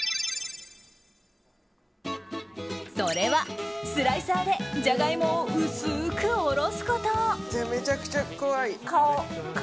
それは、スライサーでジャガイモを薄くおろすこと。